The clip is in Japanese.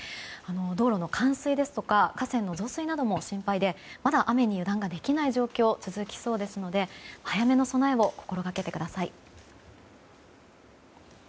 道路の冠水ですとか河川の増水なども心配で、まだ雨に油断ができない状況が続きそうですので早めの備えを心がけてください。